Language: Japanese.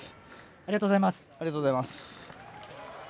ありがとうございます。